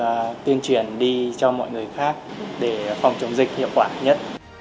và tuyên truyền đi cho mọi người khác để phòng chống dịch hiệu quả nhất